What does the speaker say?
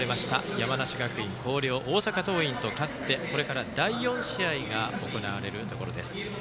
山梨学院、広陵大阪桐蔭と勝ってこれから第４試合が行われるところです。